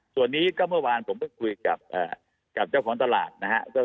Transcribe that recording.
ส่วนนี้ก็เมื่อวานผมก็คุยกับเจ้าของตลาดนะครับ